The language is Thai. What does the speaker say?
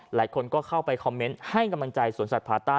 หลายคนก็เข้าไปคอมเมนต์ให้กำลังใจสวนสัตว์พาต้า